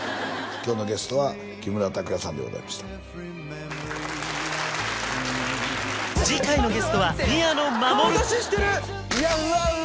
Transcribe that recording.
今日のゲストは木村拓哉さんでございました次回のゲストは宮野真守いやうわうわ